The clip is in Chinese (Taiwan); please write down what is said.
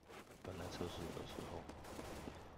本來測試的時候